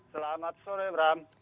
selamat sore bram